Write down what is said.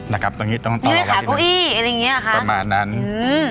นะครับตรงนี้ต้องตอบนี่ค่ะกุ้ยอะไรอย่างเงี้ยคะประมาณนั้นอืม